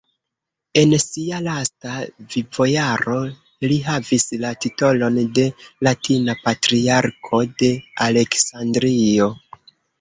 En sia lasta vivojaro li havis la titolon de "Latina Patriarko de Aleksandrio".